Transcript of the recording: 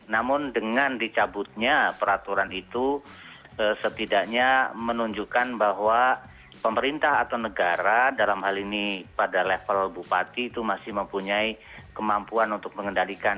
namun dengan dicabutnya peraturan itu setidaknya menunjukkan bahwa pemerintah atau negara dalam hal ini pada level bupati itu masih mempunyai kemampuan untuk mengendalikan